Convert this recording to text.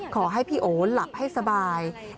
ขอให้พี่โอหลับให้สบาย